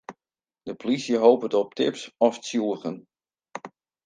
De polysje hopet op tips of tsjûgen.